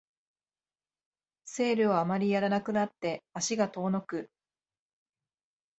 セールをあまりやらなくなって足が遠のく